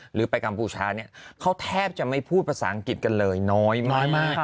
หรือไปกัมพูชาเนี่ยเขาแทบจะไม่พูดภาษาอังกฤษกันเลยน้อยมาก